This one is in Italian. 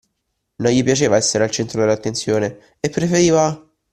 Non gli piaceva essere al centro dell’attenzione, e preferiva